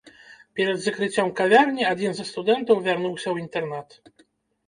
Перад закрыццём кавярні адзін са студэнтаў вярнуўся ў інтэрнат.